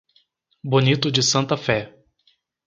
Bonito de Santa Fé